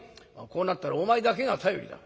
こうなったらお前だけが頼りだ。